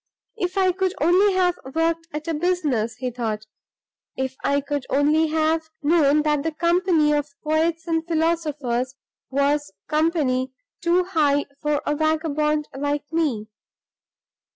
"If I could only have worked at a business!" he thought. "If I could only have known that the company of poets and philosophers was company too high for a vagabond like me!"